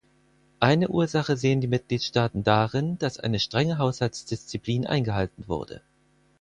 Eine Ursache sehen die Mitgliedstaaten darin, dass eine strenge Haushaltsdisziplin eingehalten wurde.